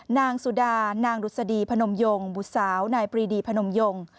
นางสุดานางดุษฎีพนมยงบุตรสาวนายปรีดีพนมยง